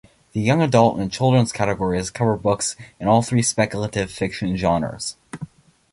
The Young Adult and Children's categories cover books in all three speculative fiction genres.